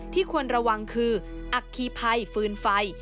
ควรระวังคืออัคคีภัยฟืนไฟ